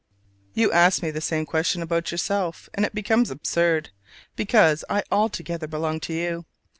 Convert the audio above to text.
You ask me the same question about yourself, and it becomes absurd, because I altogether belong to you.